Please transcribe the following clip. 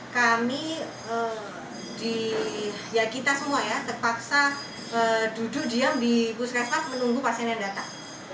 kami ya kita semua ya terpaksa duduk diam di puskesmas menunggu pasien yang datang